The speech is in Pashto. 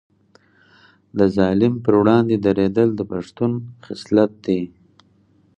د ظالم پر وړاندې دریدل د پښتون خصلت دی.